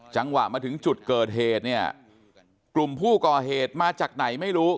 จังหวะมาถึงจุดเกิดเหตุเนี่ยกลุ่มผู้ก่อเหตุมาจากไหนไม่รู้